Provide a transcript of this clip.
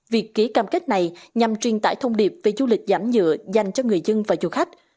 việc ký cam kết này nhằm truyền tải thông điệp về du lịch giảm nhựa dành cho người dân và du khách